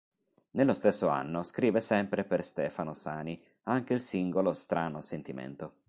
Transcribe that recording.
Nello stesso anno scrive sempre per Stefano Sani anche il singolo "Strano sentimento".